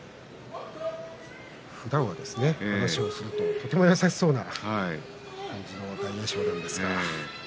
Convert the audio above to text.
ふだんは話をするととても優しそうな感じのする大栄翔です。